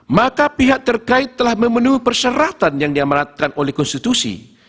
maka pihak terkait telah memenuhi persyaratan yang diamanatkan oleh konstitusi